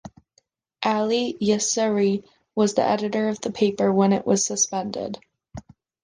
Ali Yasseri was the editor of the paper when it was suspended.